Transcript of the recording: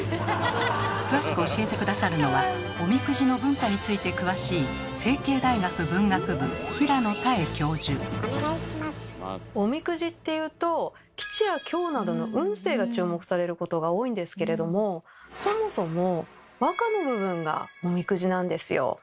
詳しく教えて下さるのはおみくじの文化について詳しいおみくじっていうと吉や凶などの運勢が注目されることが多いんですけれどもそもそも和歌の部分が「おみくじ」なんですよ。